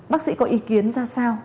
bác sĩ có ý kiến ra sao